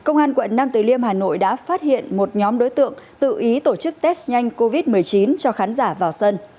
nam từ liêm hà nội đã phát hiện một nhóm đối tượng tự ý tổ chức test nhanh covid một mươi chín cho khán giả vào sân